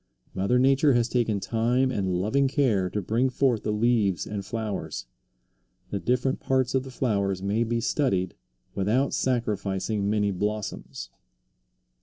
Mother Nature has taken time and loving care to bring forth the leaves and flowers. The different parts of the flowers may be studied without sacrificing many blossoms.